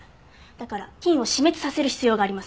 だから菌を死滅させる必要があります。